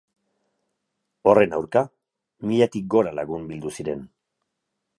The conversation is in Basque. Horren aurka, milatik gora lagun bildu ziren.